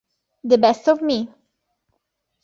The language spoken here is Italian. The Best of Me